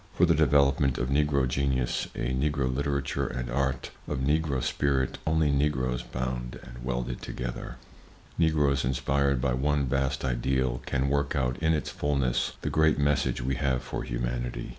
For the development of Negro genius, of Negro literature and art, of Negro spirit, only Negroes bound and welded together, Negroes inspired by one vast ideal, can work out in its fullness the great message we have for humanity.